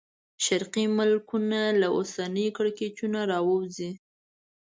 شرقي ملکونه له اوسنیو کړکېچونو راووځي.